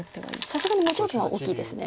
さすがに無条件は大きいです。